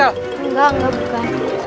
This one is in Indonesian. enggak enggak bukan